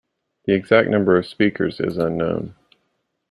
The exact number of speakers is unknown.